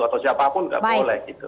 atau siapapun nggak boleh gitu